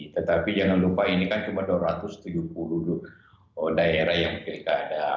tetapi jangan lupa ini kan cuma dua ratus tujuh puluh daerah yang pilkada